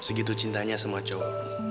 segitu cintanya sama cowokmu